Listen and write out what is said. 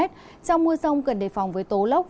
trong mưa rông cần đề phòng với tố lốc